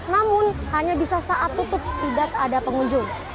namun hanya bisa saat tutup tidak ada pengunjung